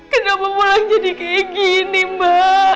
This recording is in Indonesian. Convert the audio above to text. kenapa pulang jadi kayak gini mbak